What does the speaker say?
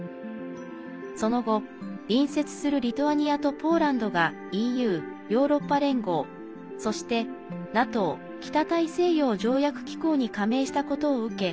その後、隣接するリトアニアとポーランドがＥＵ＝ヨーロッパ連合、そしてＮＡＴＯ＝北大西洋条約機構に加盟したことを受け